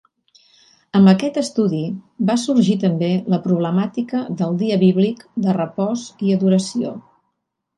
Amb aquest estudi va sorgir també la problemàtica del dia bíblic de repòs i adoració.